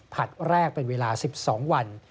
ผลัดแรกเป็นเวลา๑๒วัน